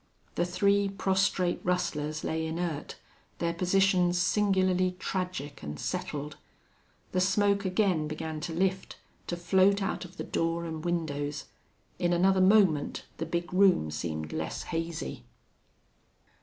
The three prostrate rustlers lay inert, their positions singularly tragic and settled. The smoke again began to lift, to float out of the door and windows. In another moment the big room seemed less hazy.